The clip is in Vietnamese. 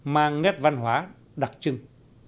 mang nét văn hóa đặc trưng